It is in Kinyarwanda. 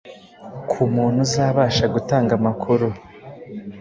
ku muntu uzabasha gutanga amakuru